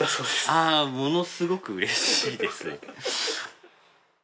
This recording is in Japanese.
ああものすごくうれしいですね。